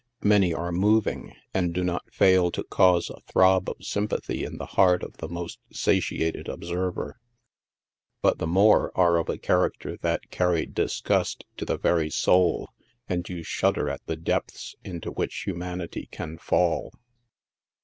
Many are moving, and do not fail to cause a throb of sympathy in the heart ot the most satiated observer ; but the more are of a character that carry disgust to the very soul, and you shudder at the depths into which humanity can fall.